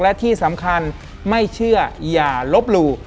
และที่สำคัญไม่เชื่ออย่าลบหลู่